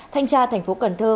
thanh tra thành phố cần thơ